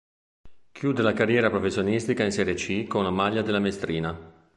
Chiude la carriera professionistica in Serie C con la maglia della Mestrina.